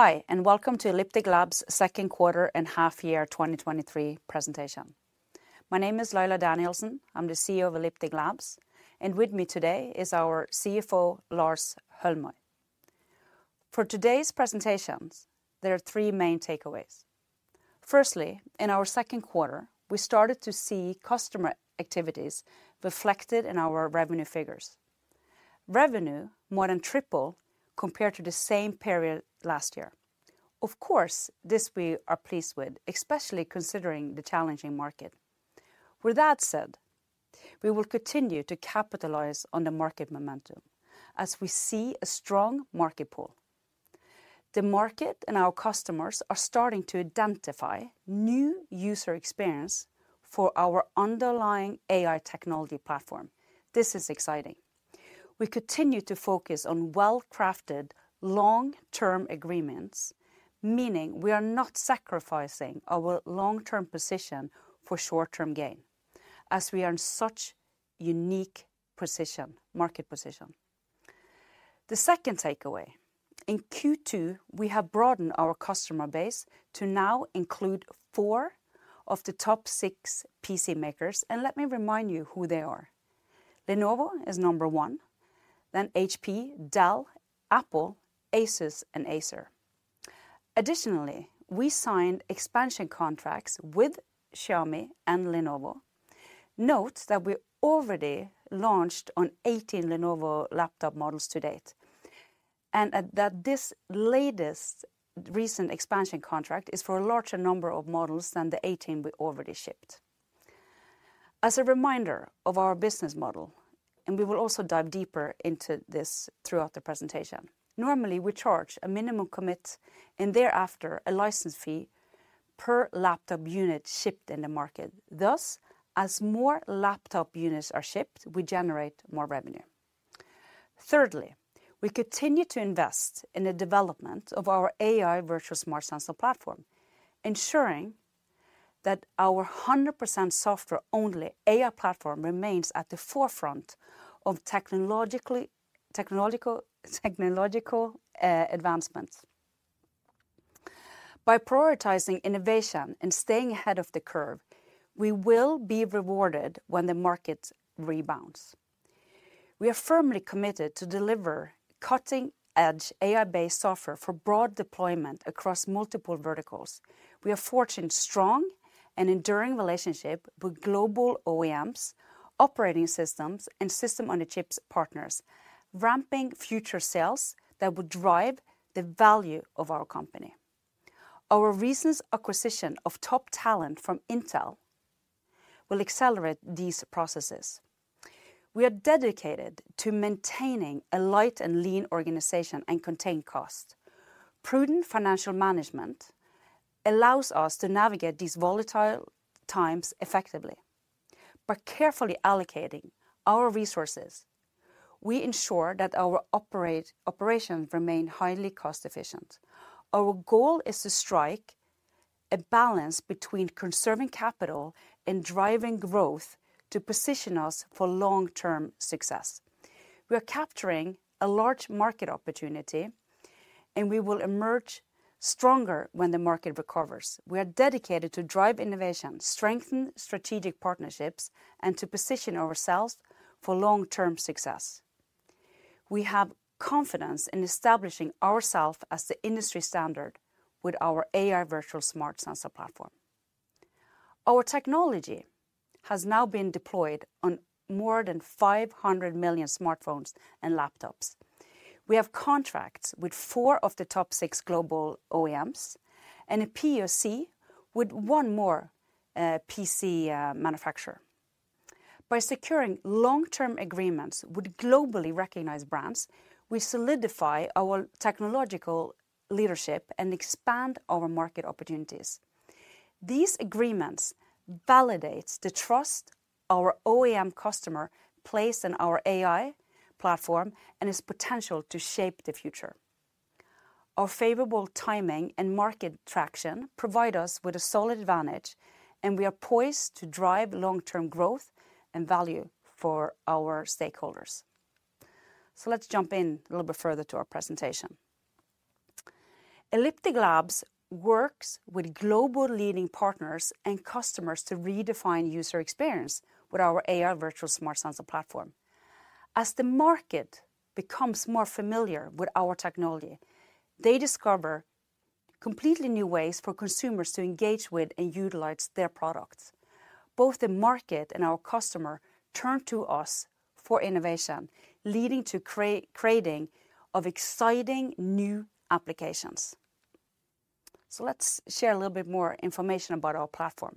Hi, welcome to Elliptic Labs' Second Quarter and Half Year 2023 Presentation. My name is Laila Danielsen. I'm the CEO of Elliptic Labs, and with me today is our CFO, Lars Holmøy. For today's presentations, there are three main takeaways. Firstly, in our second quarter, we started to see customer activities reflected in our revenue figures. Revenue more than tripled compared to the same period last year. Of course, this we are pleased with, especially considering the challenging market. With that said, we will continue to capitalize on the market momentum as we see a strong market pool. The market and our customers are starting to identify new user experience for our underlying AI technology platform. This is exciting. We continue to focus on well-crafted, long-term agreements, meaning we are not sacrificing our long-term position for short-term gain, as we are in such unique position, market position. The second takeaway, in Q2, we have broadened our customer base to now include four of the top six PC makers. Let me remind you who they are. Lenovo is number one, HP, Dell, Apple, ASUS, and Acer. Additionally, we signed expansion contracts with Xiaomi and Lenovo. Note that we already launched on 18 Lenovo laptop models to date. This latest recent expansion contract is for a larger number of models than the 18 we already shipped. As a reminder of our business model, we will also dive deeper into this throughout the presentation. Normally, we charge a minimum commit and thereafter a license fee per laptop unit shipped in the market. Thus, as more laptop units are shipped, we generate more revenue. Thirdly, we continue to invest in the development of our AI Virtual Smart Sensor Platform, ensuring that our 100% software-only AI platform remains at the forefront of technological advancements. By prioritizing innovation and staying ahead of the curve, we will be rewarded when the market rebounds. We are firmly committed to deliver cutting-edge AI-based software for broad deployment across multiple verticals. We are forging strong and enduring relationship with global OEMs, operating systems, and system-on-a-chip partners, ramping future sales that will drive the value of our company. Our recent acquisition of top talent from Intel will accelerate these processes. We are dedicated to maintaining a light and lean organization and contain costs. Prudent financial management allows us to navigate these volatile times effectively. By carefully allocating our resources, we ensure that our operations remain highly cost-efficient. Our goal is to strike a balance between conserving capital and driving growth to position us for long-term success. We are capturing a large market opportunity, and we will emerge stronger when the market recovers. We are dedicated to drive innovation, strengthen strategic partnerships, and to position ourselves for long-term success. We have confidence in establishing ourself as the industry standard with our AI Virtual Smart Sensor Platform. Our technology has now been deployed on more than 500 million smartphones and laptops. We have contracts with four of the top six global OEMs and a POC with one more PC manufacturer. By securing long-term agreements with globally recognized brands, we solidify our technological leadership and expand our market opportunities. These agreements validates the trust our OEM customer place in our AI platform and its potential to shape the future. Our favorable timing and market traction provide us with a solid advantage, and we are poised to drive long-term growth and value for our stakeholders. Let's jump in a little bit further to our presentation. Elliptic Labs works with global leading partners and customers to redefine user experience with our AI Virtual Smart Sensor Platform. As the market becomes more familiar with our technology, they discover completely new ways for consumers to engage with and utilize their products. Both the market and our customer turn to us for innovation, leading to creating of exciting new applications. Let's share a little bit more information about our platform.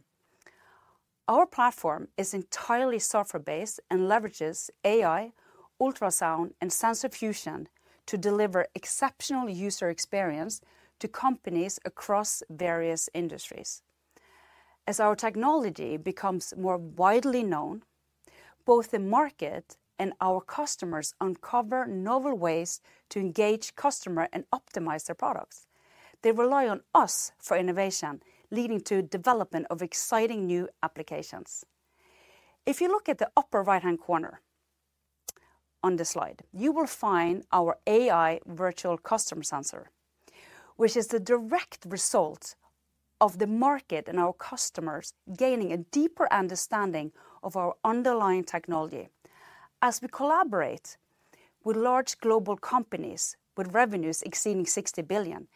Our platform is entirely software-based and leverages AI, ultrasound, and sensor fusion to deliver exceptional user experience to companies across various industries. As our technology becomes more widely known, both the market and our customers uncover novel ways to engage customer and optimize their products. They rely on us for innovation, leading to development of exciting new applications. If you look at the upper right-hand corner on the slide, you will find our AI Virtual Custom Sensor, which is the direct result of the market and our customers gaining a deeper understanding of our underlying technology. As we collaborate with large global companies with revenues exceeding $60 billion,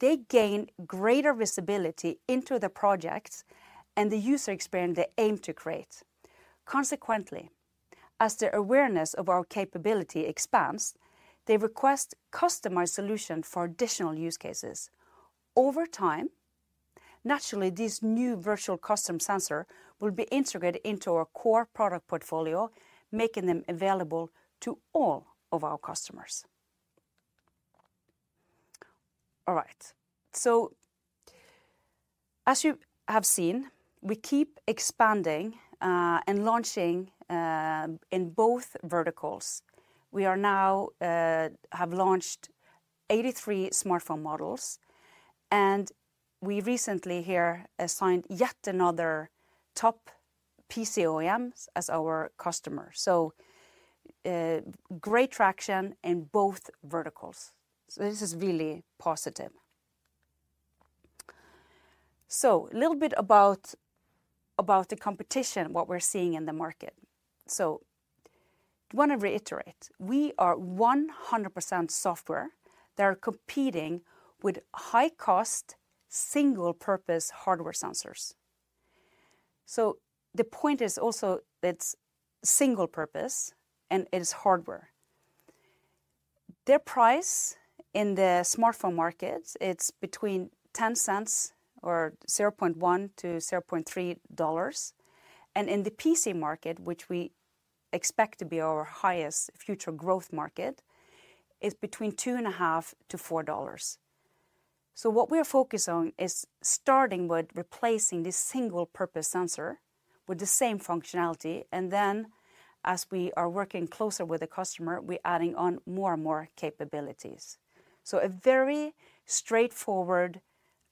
they gain greater visibility into the project and the user experience they aim to create. Consequently, as their awareness of our capability expands, they request customized solution for additional use cases. Over time, naturally, these new Virtual Custom Sensor will be integrated into our core product portfolio, making them available to all of our customers. All right. As you have seen, we keep expanding and launching in both verticals. We are now have launched 83 smartphone models, and we recently here assigned yet another top PC OEMs as our customer. Great traction in both verticals. This is really positive. A little bit about the competition, what we're seeing in the market. I wanna reiterate, we are 100% software that are competing with high-cost, single-purpose hardware sensors. The point is also it's single purpose and it is hardware. Their price in the smartphone market, it's between $0.10 or $0.1-$0.3. In the PC market, which we expect to be our highest future growth market, is between $2.5-$4. What we are focused on is starting with replacing this single-purpose sensor with the same functionality, and then as we are working closer with the customer, we're adding on more and more capabilities. A very straightforward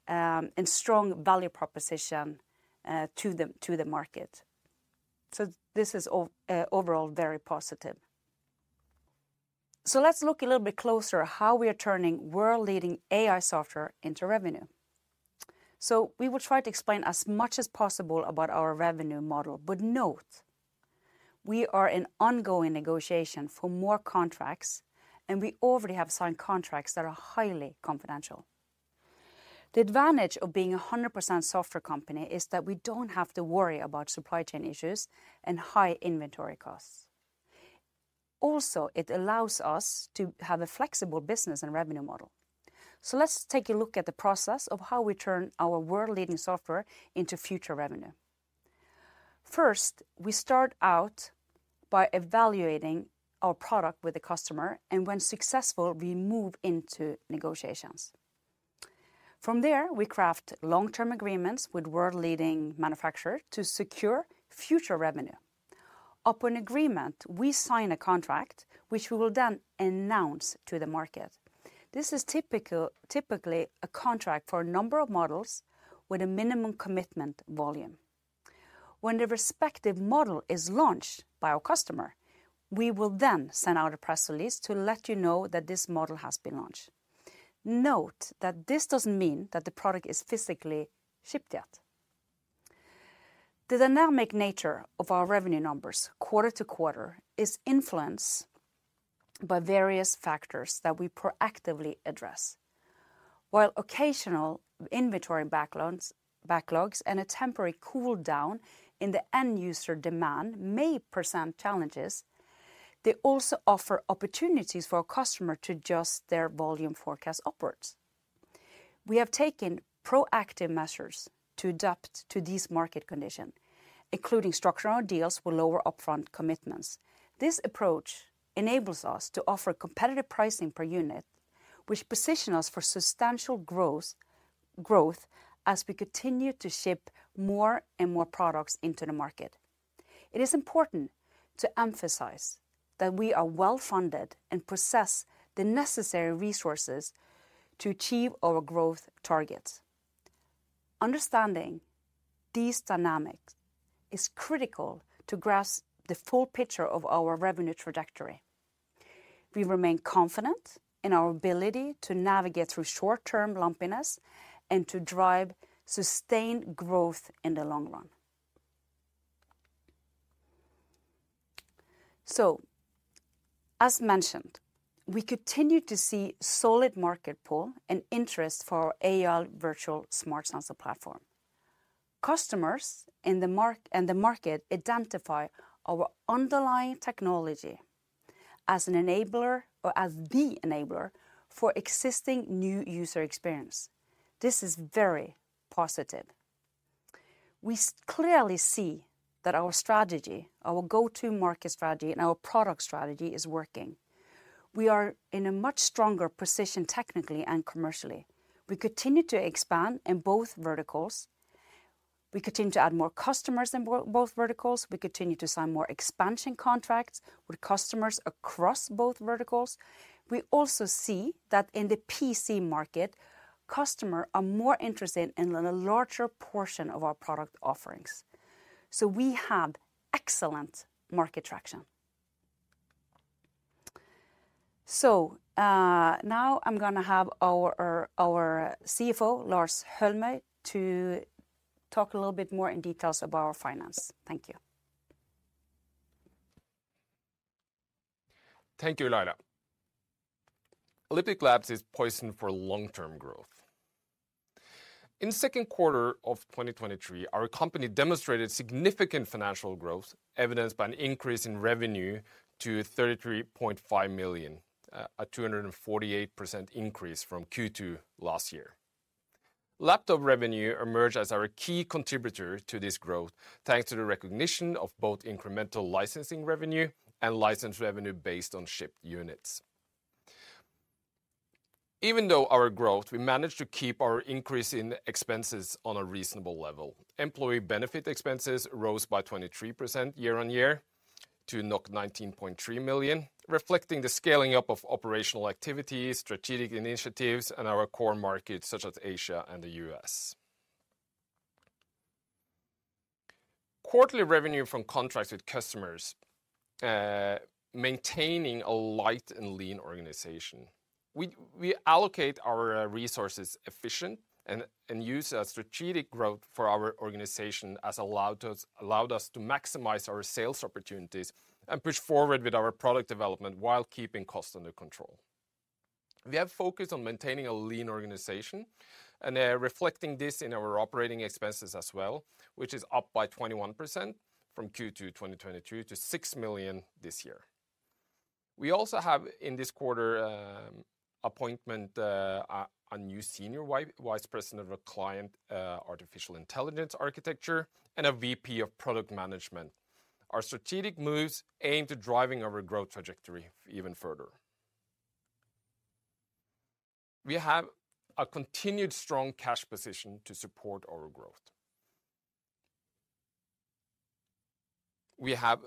and strong value proposition to the market. This is overall very positive. Let's look a little bit closer how we are turning world-leading AI software into revenue. We will try to explain as much as possible about our revenue model, but note, we are in ongoing negotiation for more contracts, and we already have signed contracts that are highly confidential. The advantage of being a 100% software company is that we don't have to worry about supply chain issues and high inventory costs. Also, it allows us to have a flexible business and revenue model. Let's take a look at the process of how we turn our world-leading software into future revenue. First, we start out by evaluating our product with the customer, and when successful, we move into negotiations. From there, we craft long-term agreements with world-leading manufacturer to secure future revenue. Upon agreement, we sign a contract, which we will then announce to the market. This is typically a contract for a number of models with a minimum commitment volume. When the respective model is launched by our customer, we will then send out a press release to let you know that this model has been launched. Note that this doesn't mean that the product is physically shipped yet. The dynamic nature of our revenue numbers quarter to quarter is influenced by various factors that we proactively address. While occasional inventory backlogs and a temporary cool down in the end user demand may present challenges, they also offer opportunities for our customer to adjust their volume forecast upwards. We have taken proactive measures to adapt to this market condition, including structural deals with lower upfront commitments. This approach enables us to offer competitive pricing per unit, which position us for substantial growth as we continue to ship more and more products into the market. It is important to emphasize that we are well-funded and possess the necessary resources to achieve our growth targets. Understanding these dynamics is critical to grasp the full picture of our revenue trajectory. We remain confident in our ability to navigate through short-term lumpiness and to drive sustained growth in the long run. As mentioned, we continue to see solid market pull and interest for our AI Virtual Smart Sensor Platform. Customers in the market identify our underlying technology as an enabler or as the enabler for existing new user experience. This is very positive. We clearly see that our strategy, our go-to-market strategy, and our product strategy is working. We are in a much stronger position technically and commercially. We continue to expand in both verticals. We continue to add more customers in both verticals. We continue to sign more expansion contracts with customers across both verticals. We also see that in the PC market, customer are more interested in a larger portion of our product offerings, so we have excellent market traction. Now I'm gonna have our CFO, Lars Holmøy, to talk a little bit more in details about our finance. Thank you. Thank you, Laila. Elliptic Labs is poised for long-term growth. In second quarter of 2023, our company demonstrated significant financial growth, evidenced by an increase in revenue to 33.5 million, a 248% increase from Q2 last year. Laptop revenue emerged as our key contributor to this growth, thanks to the recognition of both incremental licensing revenue and license revenue based on shipped units. Even though our growth, we managed to keep our increase in expenses on a reasonable level. Employee benefit expenses rose by 23% year-on-year to 19.3 million, reflecting the scaling up of operational activities, strategic initiatives, and our core markets, such as Asia and the U.S. Quarterly revenue from contracts with customers, maintaining a light and lean organization. We allocate our resources efficient and use a strategic growth for our organization has allowed us to maximize our sales opportunities and push forward with our product development while keeping costs under control. We have focused on maintaining a lean organization and reflecting this in our operating expenses as well, which is up by 21% from Q2 2022 to 6 million this year. We also have, in this quarter, appointment a new Senior Vice President of Client Artificial Intelligence Architecture, and a VP of Product Management. Our strategic moves aim to driving our growth trajectory even further. We have a continued strong cash position to support our growth. We have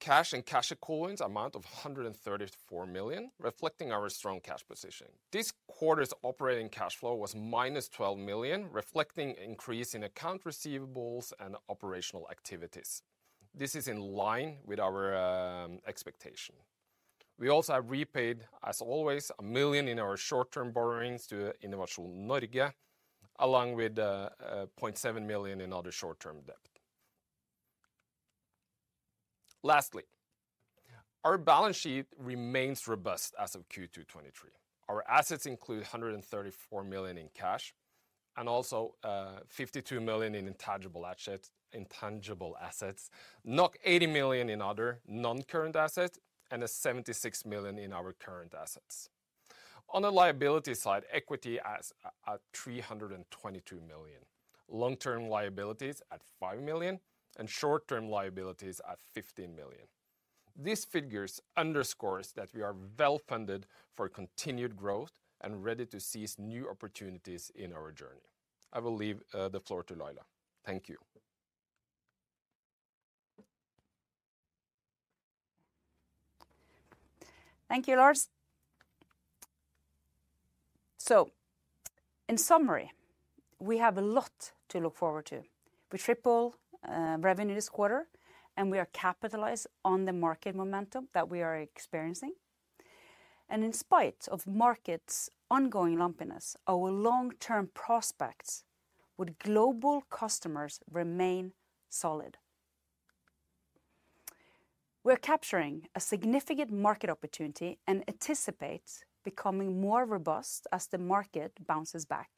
cash and cash equivalents amount of 134 million, reflecting our strong cash position. This quarter's operating cash flow was minus 12 million, reflecting increase in account receivables and operational activities. This is in line with our expectation. We also have repaid, as always, 1 million in our short-term borrowings to Innovasjon Norge, along with 0.7 million in other short-term debt. Lastly, our balance sheet remains robust as of Q2 2023. Our assets include 134 million in cash, and also, 52 million in intangible assets, 80 million in other non-current assets, and 76 million in our current assets. On the liability side, equity as at 322 million, long-term liabilities at 5 million, and short-term liabilities at 15 million. These figures underscores that we are well funded for continued growth and ready to seize new opportunities in our journey. I will leave the floor to Laila. Thank you. Thank you, Lars. In summary, we have a lot to look forward to. We tripled revenue this quarter, and we are capitalized on the market momentum that we are experiencing. In spite of market's ongoing lumpiness, our long-term prospects with global customers remain solid. We're capturing a significant market opportunity and anticipate becoming more robust as the market bounces back.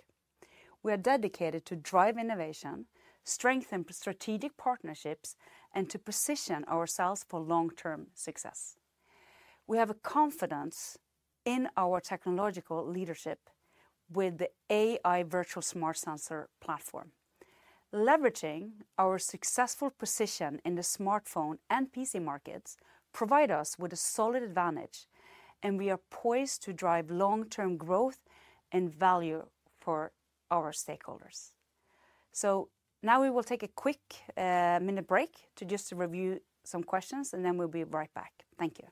We are dedicated to drive innovation, strengthen strategic partnerships, and to position ourselves for long-term success. We have a confidence in our technological leadership with the AI Virtual Smart Sensor Platform. Leveraging our successful position in the smartphone and PC markets provide us with a solid advantage, and we are poised to drive long-term growth and value for our stakeholders. Now we will take a quick minute break to just review some questions, and then we'll be right back. Thank you.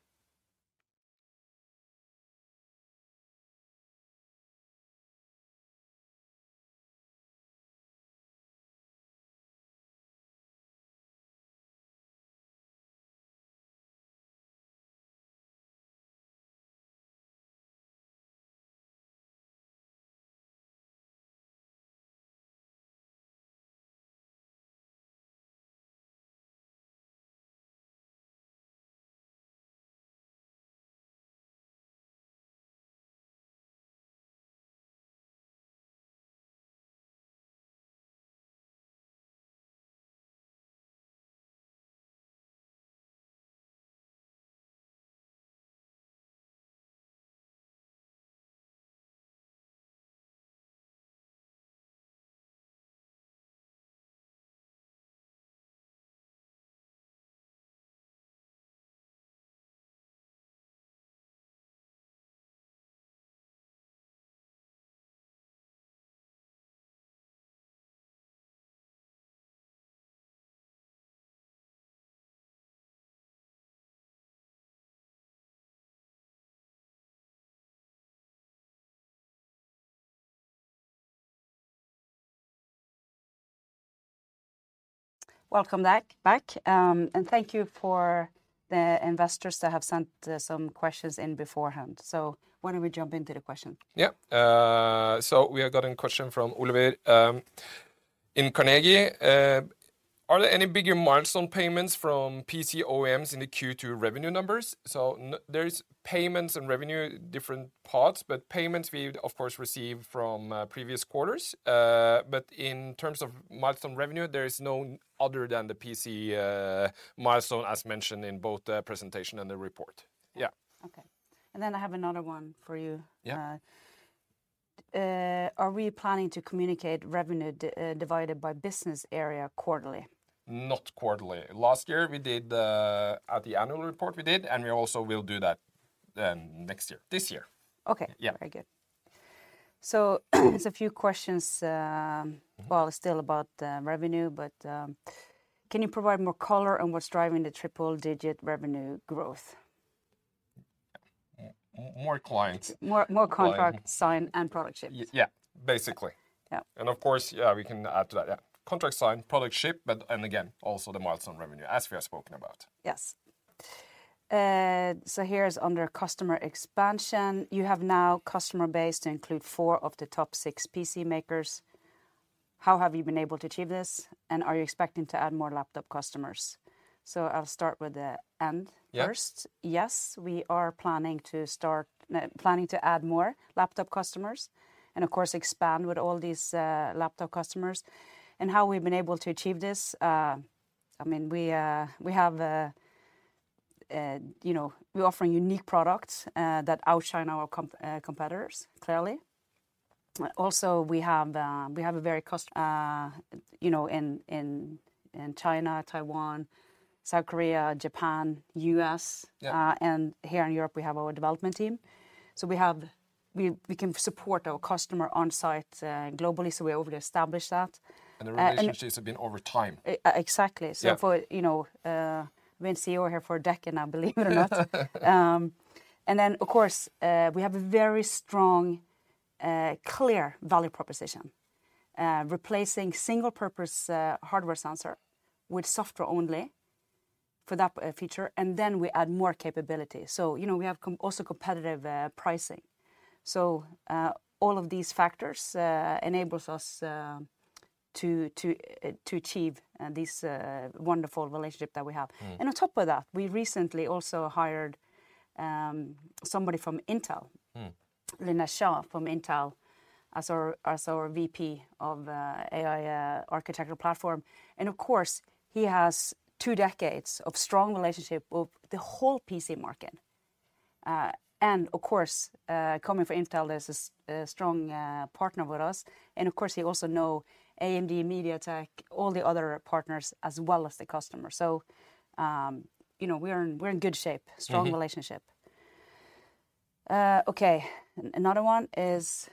Welcome back. Thank you for the investors that have sent some questions in beforehand. Why don't we jump into the question? We have gotten a question from Oliver in Carnegie. Are there any bigger milestone payments from PC OEMs in the Q2 revenue numbers? There is payments and revenue, different parts, but payments we of course receive from previous quarters. In terms of milestone revenue, there is no other than the PC milestone, as mentioned in both the presentation and the report. Okay. I have another one for you. Yeah. Are we planning to communicate revenue divided by business area quarterly? Not quarterly. Last year, we did. At the annual report we did, and we also will do that, next year. This year. Okay. Yeah. Very good. There's a few questions. Well, still about revenue, but can you provide more color on what's driving the triple-digit revenue growth? More clients. More contract signed and product shipped. Yeah, basically. Yeah. Of course, we can add to that. Yeah, contract signed, product shipped, but and again, also the milestone revenue, as we have spoken about. Yes. Here is under customer expansion. You have now customer base to include four of the top six PC makers. How have you been able to achieve this? Are you expecting to add more laptop customers? I'll start with the end first. Yeah. Yes, we are planning to add more laptop customers, and of course, expand with all these laptop customers. How we've been able to achieve this, I mean, we have, you know, we offer unique products that outshine our competitors, clearly. Also, we have, we have a very, you know, in China, Taiwan, South Korea, Japan, U.S. Here in Europe, we have our development team. We have, we can support our customer on site, globally, we already established that. The relationships have been over time. Exactly. For, you know, been CEO here for a decade now, believe it or not. And then of course, we have a very strong, clear value proposition. Replacing single-purpose hardware sensor with software only for that feature, and then we add more capability. You know, we have also competitive pricing. All of these factors enables us to achieve this wonderful relationship that we have. On top of that, we recently also hired somebody from Intel. Nilesh Shah from Intel, as our VP of AI architectural platform. Of course, he has 2 decades of strong relationship with the whole PC market. Of course, coming from Intel, there's a strong partner with us. Of course, he also know AMD, MediaTek, all the other partners, as well as the customer. You know, we're in good shape. Strong relationship. Okay. Another one is,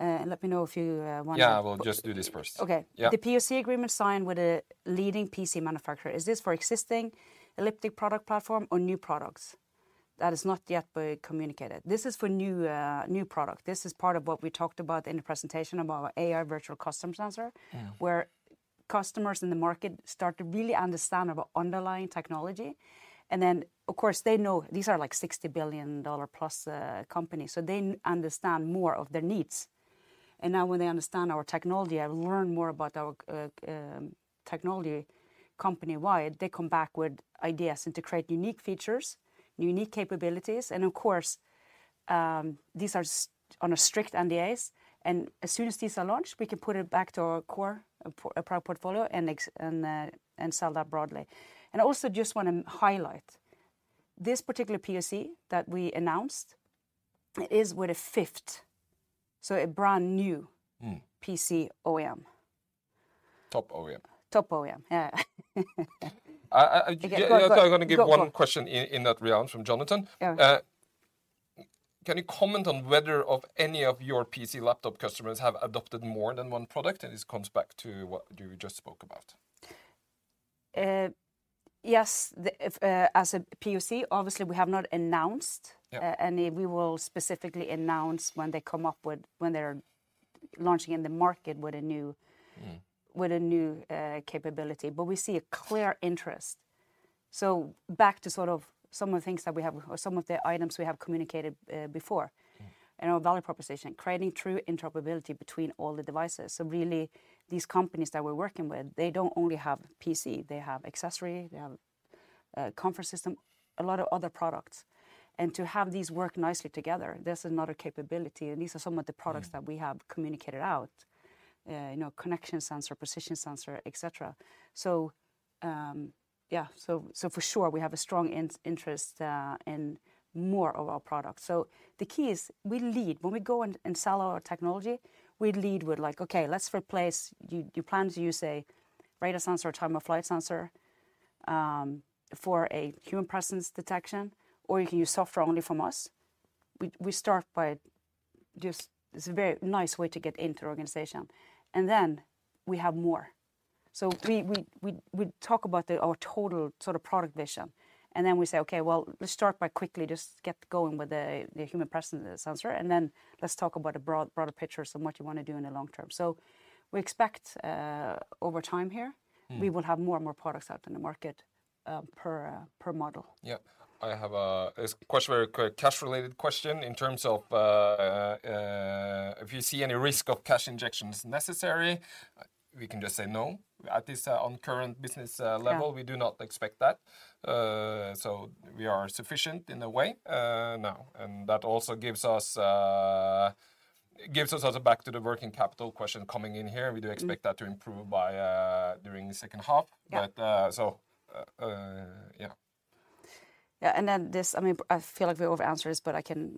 let me know if you— Yeah, we'll just do this first. Okay. Yeah. The POC agreement signed with a leading PC manufacturer, is this for existing Elliptic product platform or new products? That is not yet been communicated. This is for new product. This is part of what we talked about in the presentation about AI Virtual Custom Sensor where customers in the market start to really understand about underlying technology. Then, of course, they know these are like $60 billion plus company, so they understand more of their needs. Now, when they understand our technology and learn more about our technology company-wide, they come back with ideas and to create unique features, unique capabilities, and of course, these are on a strict NDAs. As soon as these are launched, we can put it back to our core product portfolio and sell that broadly. Also just want to highlight, this particular POC that we announced is with a fifth, so a brand-new PC OEM. Top OEM. Top OEM, yeah. Go on. I'm going to give one question in that realm from Jonathan. Can you comment on whether any of your PC laptop customers have adopted more than one product? This comes back to what you just spoke about. Yes, as a POC, obviously, we have not announced any. We will specifically announce when they're launching in the market with a new with a new, capability. We see a clear interest. Back to sort of some of the things that we have or some of the items we have communicated, before. And our value proposition, creating true interoperability between all the devices. Really, these companies that we're working with, they don't only have PC, they have accessory, they have, conference system, a lot of other products. To have these work nicely together, this is not a capability, and these are some of the products that we have communicated out. You know, Connection Sensor, Position Sensor, et cetera. Yeah, for sure, we have a strong interest in more of our products. The key is we lead. When we go and sell our technology, we lead with like: Okay, let's replace-- You plan to use a radar sensor, time-of-flight sensor, for a human presence detection, or you can use software only from us. We start just it's a very nice way to get into the organization, and then we have more. We talk about our total sort of product vision, and then we say, "Okay, well, let's start by quickly just get going with the human presence sensor, and then let's talk about the broader picture, so what you wanna do in the long term." We expect over time here. We will have more and more products out in the market, per model. Yep. I have a question, very quick cash-related question in terms of, if you see any risk of cash injections necessary? We can just say no. At this on current business level, we do not expect that. We are sufficient in a way, now, that also gives us, gives us also back to the working capital question coming in here. We do expect that to improve by during the second half. Yeah, then this, I mean, I feel like we over answer this, I can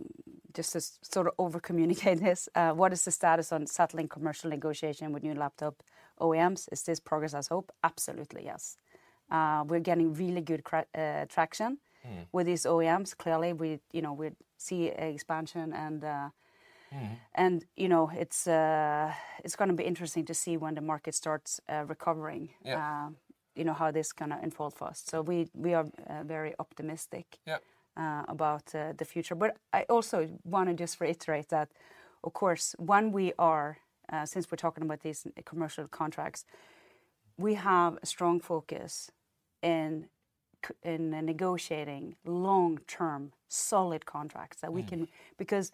just sort of over communicate this. What is the status on settling commercial negotiation with new laptop OEMs? Is this progress as hoped? Absolutely, yes. We're getting really good traction. With these OEMs, clearly, we, you know, we see expansion. You know, it's gonna be interesting to see when the market starts recovering, you know, how this gonna unfold for us. We are very optimistic about the future. I also wanna just reiterate that, of course, when we are, since we're talking about these commercial contracts, we have a strong focus in negotiating long-term, solid contracts that we can-- because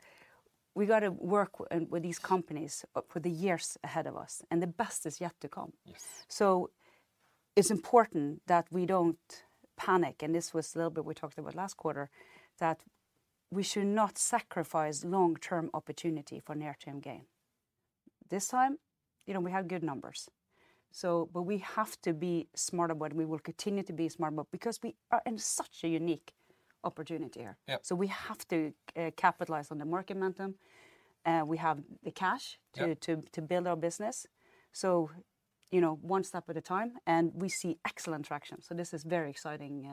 we gotta work with these companies for the years ahead of us, and the best is yet to come. Yes. It's important that we don't panic, and this was a little bit we talked about last quarter, that we should not sacrifice long-term opportunity for near-term gain. This time, you know, we have good numbers, so but we have to be smarter, but we will continue to be smarter because we are in such a unique opportunity here. So we have to capitalize on the market momentum, we have the cash to build our business. You know, one step at a time, and we see excellent traction, so this is very exciting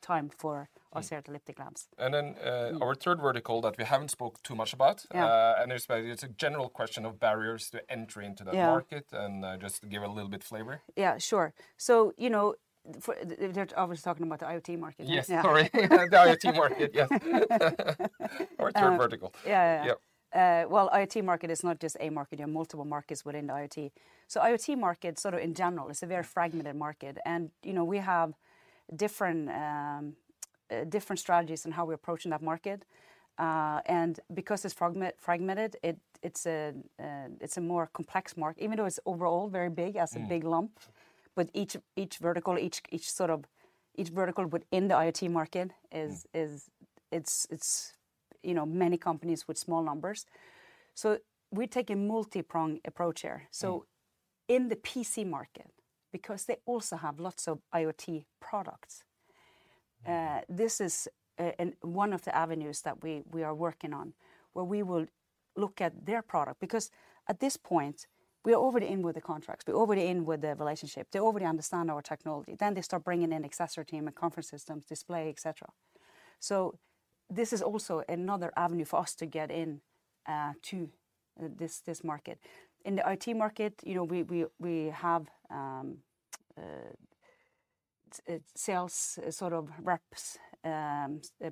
time for us here at Elliptic Labs. Our third vertical that we haven't spoke too much about. It's a general question of barriers to entry into that market. Just to give a little bit flavor. Yeah, sure. You know, I was talking about the IoT market. Yes, sorry. Yeah. The IoT market, yes. Our third vertical. Yeah, yeah. Well, IoT market is not just a market, there are multiple markets within the IoT. IoT market, sort of in general, is a very fragmented market. You know, we have different strategies in how we're approaching that market. Because it's fragmented, it's a more complex market, even though it's overall very big as a big lump, but each vertical, each sort of, each vertical within the IoT market is, it's, you know, many companies with small numbers. We take a multi-prong approach here. In the PC market, because they also have lots of IoT products. This is, and one of the avenues that we are working on, where we will look at their product. At this point, we are already in with the contracts, we're already in with the relationship, they already understand our technology, they start bringing in accessory team and conference systems, display, et cetera. This is also another avenue for us to get in, to this market. In the IoT market, you know, we have sales sort of reps,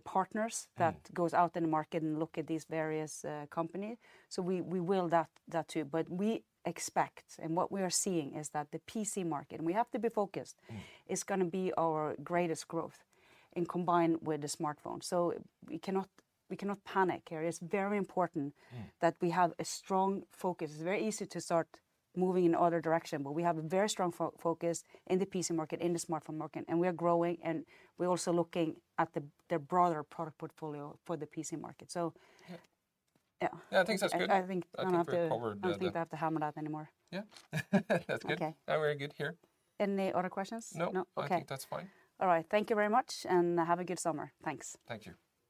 partners that goes out in the market and look at these various company. We will that too. We expect, and what we are seeing, is that the PC market, and we have to be focused, is gonna be our greatest growth, and combined with the smartphone. We cannot panic here. It's very important that we have a strong focus. It's very easy to start moving in other direction, but we have a very strong focus in the PC market, in the smartphone market, and we are growing, and we're also looking at the broader product portfolio for the PC market. Yeah. Yeah. Yeah, I think that's good. I think I don't. I think we've covered. I don't think I have to hammer that anymore. Yeah. That's good. Okay. We're good here. Any other questions? No. No? Okay. I think that's fine. All right. Thank you very much, and have a good summer. Thanks. Thank you.